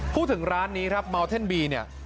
พูดถึงร้านนี้ครับเมาเท่นบีเนี่ย